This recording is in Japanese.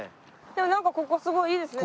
なんかここすごいいいですね。